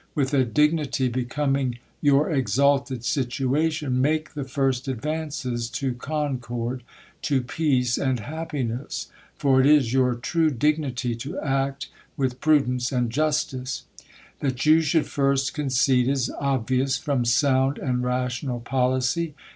With a dignity becoming your exalted situation, make .1 THE COLUMBIAN ORATOR. 185 the first advances to concord, to peace and happiness : for it is your true dignity, to act with prudence and justice. Thatyow should first concede, is obvious from sound and rational policy.